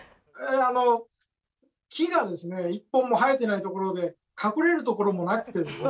あの木がですね一本も生えていない所で隠れる所もなくてですね